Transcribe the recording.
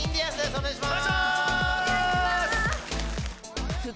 お願いします！